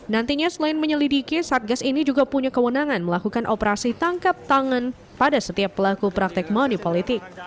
nantinya selain menyelidiki satgas ini juga punya kewenangan melakukan operasi tangkap tangan pada setiap pelaku praktek money politik